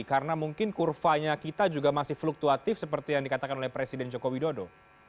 karena mungkin kurvanya kita juga masih fluktuatif seperti yang dikatakan oleh presiden joko widodo